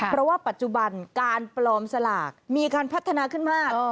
เพราะว่าปัจจุบันการปลอมสลากมีการพัฒนาขึ้นมาก